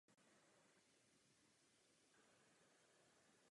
Ta nemůže být beztrestně znevažována.